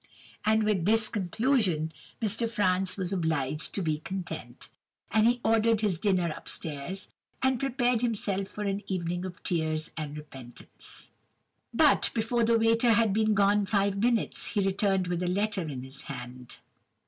"And with this conclusion Mr. Franz was obliged to be content; and he ordered his dinner up stairs, and prepared himself for an evening of tears and repentance. "But, before the waiter had been gone five minutes, he returned with a letter in his hand.